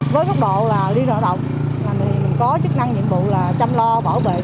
với khuất độ liên đoàn lao động mình có chức năng nhiệm vụ là chăm lo bảo vệ